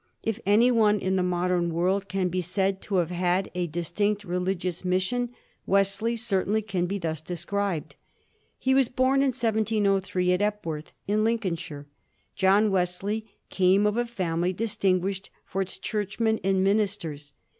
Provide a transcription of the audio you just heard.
If any one in the modern world can be said to have had a distinct religious mission, Wesley certainly can be thus described. He was born in 1703 at Ep worth, in Lincoln shire. John Wesley came of a family distinguished for its Churchmen and ministers.